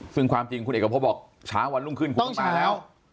ซึ่งความจริงคุณเอกพบบอกเช้าวันรุ่งขึ้นคุณต้องมาแล้ว